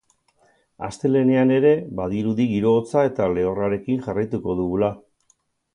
Astelehenean ere, badirudi giro hotza eta lehorrarekin jarraituko dugula.